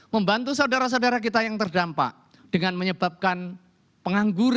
membantu saudara saudara kita yang terdampak dengan menyebabkan pengangguran